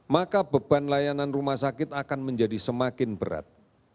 maka beban layanan rumah sakit akan menjadi semakin berat